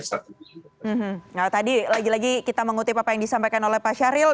nah tadi lagi lagi kita mengutip apa yang disampaikan oleh pak syahril